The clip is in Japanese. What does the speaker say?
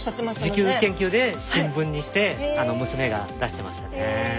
自由研究で新聞にして娘が出してましたね。